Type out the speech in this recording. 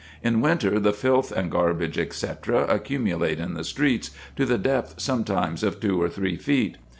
In winter the filth and garbage, etc., accumulate in the streets, to the depth sometimes of two or three feet.